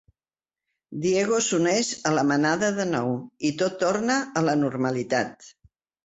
Diego s'uneix a la manada de nou, i tot torna a la normalitat.